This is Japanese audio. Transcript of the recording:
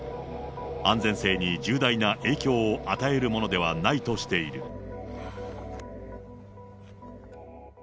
安全性に重大な影響を与えるものではないとしている。